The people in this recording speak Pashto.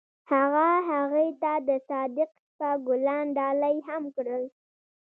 هغه هغې ته د صادق شپه ګلان ډالۍ هم کړل.